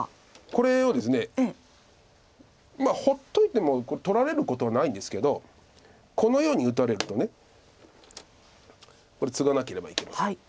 これをですね放っといても取られることはないんですけどこのように打たれるとこれツガなければいけません。